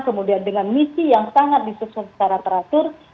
kemudian dengan misi yang sangat disusun secara teratur